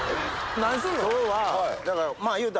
何すんの？